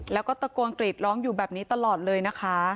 แล้วก็ตะโกนกรีดร้องอยู่แบบนี้ตลอดเลยนะคะ